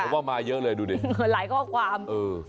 ว่ามาเยอะเลยดูดิหลายข้อความ